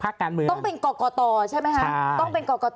คือ